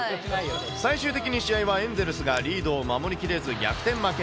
最終的に試合はエンゼルスがリードを守り切れず、逆転負け。